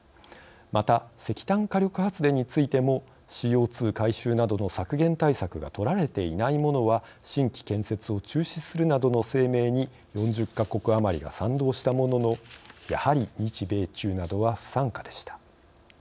また石炭火力発電についてもＣＯ２回収などの削減対策が取られていないものは新規建設を中止するなどの声明に４０か国余りが賛同したもののやはり日米中などは不参加でした。